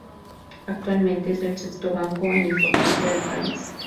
Actualmente, es el sexto Banco en importancia del país.